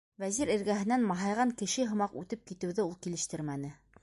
Вәзир эргәһенән маһайған кеше һымаҡ үтеп китеүҙе ул килештермәне.